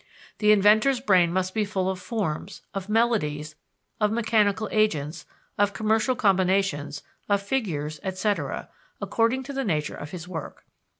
The inventor's brain must be full of forms, of melodies, of mechanical agents, of commercial combinations, of figures, etc., according to the nature of his work.